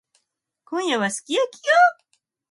今夜はすき焼きよ。